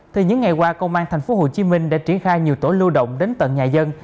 thì những ngày qua công an thành phố hồ chí minh đã triển khai nhiều tổ lưu động đến tận nhà dân